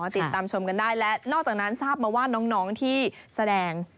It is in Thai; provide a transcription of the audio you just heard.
ติดตามชมกันได้และนอกจากนั้นทราบมาว่าน้องที่แสดง